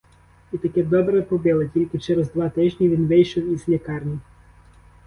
І таки добре побили: тільки через два тижні він вийшов із лікарні.